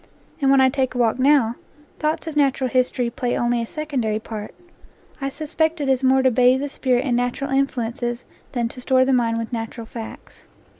And when I take a walk now, thoughts of natural history play only a secondary part; I suspect it is more to bathe the spirit in natural influences than to store the mind with natural facts.